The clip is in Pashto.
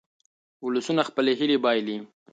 ولسونه خپلې هیلې بایلي.